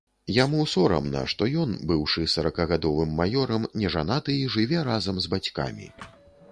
Яму сорамна, што ён, быўшы саракагадовым маёрам, не жанаты і жыве разам з бацькамі.